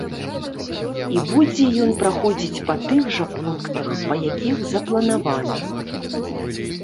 І будзе ён праходзіць па тых жа пунктах, па якіх запланавана.